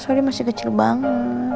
soalnya masih kecil banget